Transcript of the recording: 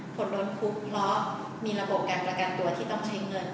คนโดนคุกเพราะมีระบบการประกันตัวที่ต้องใช้เงิน